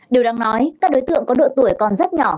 điều đáng nói các đối tượng có độ tuổi còn rất nhỏ